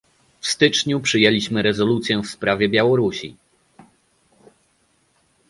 W styczniu przyjęliśmy rezolucję w sprawie Białorusi